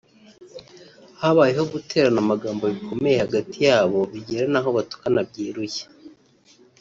habayeho guterana amagambo bikomeye hagati yabo bigera n’aho batukana byeruye